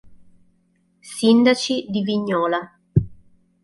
Sindaci di Vignola